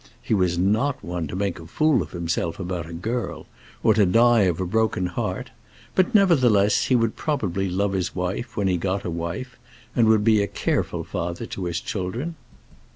He was not one to make a fool of himself about a girl, or to die of a broken heart; but, nevertheless, he would probably love his wife when he got a wife, and would be a careful father to his children.